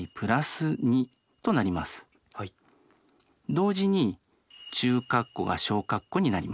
同時に中括弧が小括弧になります。